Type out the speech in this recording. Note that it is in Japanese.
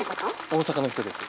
大阪の人です。